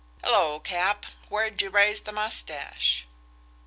"Hello, Cap, where'd you raise the mustache?"